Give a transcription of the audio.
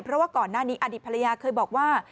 เพราะว่าก่อนหน้านี้อดีตภรรยาเคยบอกว่า